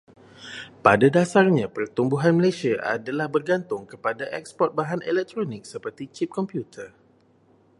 Pada dasarnya, pertumbuhan Malaysia adalah bergantung kepada eksport bahan elektronik seperti cip komputer.